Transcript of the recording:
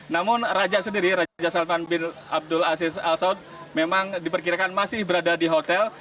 namun raja sendiri raja salman bin abdul aziz al saud memang diperkirakan masih berada di hotel